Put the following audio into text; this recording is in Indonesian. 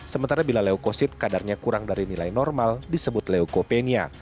sementara bila leukosit kadarnya kurang dari nilai normal disebut leucopenia